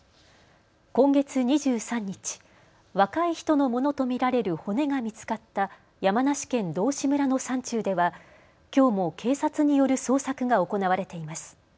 今月２３日、若い人のものと見られる骨が見つかった山梨県道志村の山中ではきょうも警察による捜索が行われています。